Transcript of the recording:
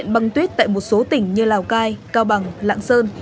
băng tuyết tại một số tỉnh như lào cai cao bằng lạng sơn